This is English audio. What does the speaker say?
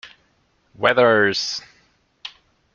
Weathers.